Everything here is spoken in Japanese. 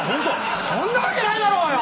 そんなわけないだろうよ！